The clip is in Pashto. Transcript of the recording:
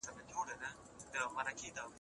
که استاد خپلواکي ورکړي څېړونکی ښه کار کوي.